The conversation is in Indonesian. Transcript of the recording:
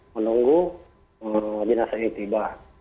menunggu jenazah ini tiba